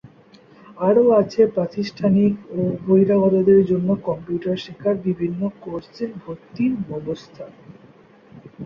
আরো আছে প্রাতিষ্ঠানিক ও বহিরাগতদের জন্য কম্পিউটার শেখার বিভিন্ন কোর্সে ভর্তির ব্যবস্থা।